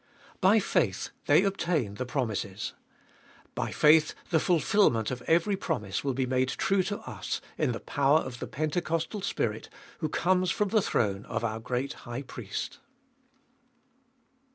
By faith they obtained the promises. By faith the fulfilment of every promise will be made true to us in the power of the Pentecostal Spirit, who comes from the throne of our great High Priest.